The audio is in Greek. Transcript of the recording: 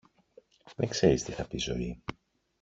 Δεν ξέρεις τι θα πει ζωή